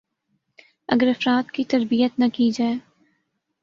ا گر افراد کی تربیت نہ کی جائے